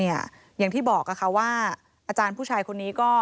อย่างที่บอกค่ะว่าอาจารย์ผู้ชายคนนี้ก็